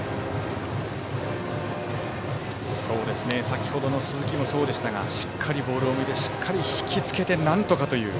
先ほどの鈴木もそうでしたがしっかりボールを見てしっかり引き付けてなんとかという。